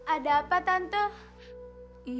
apa yang ada